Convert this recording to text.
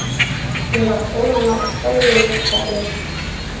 شۇنداق، ئۇ ماڭا ئۇستاز يوللۇق شائىر.